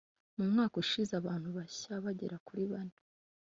Mu mwaka ushize abantu bashya bagera kuri bane